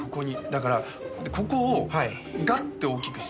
だからここをガッて大きくして。